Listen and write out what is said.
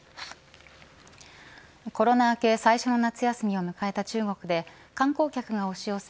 コロナ明け最初の夏休みを迎えた中国で観光客が押し寄せ